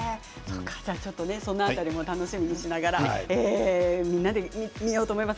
その辺りも楽しみにしながらみんなで見ようと思います。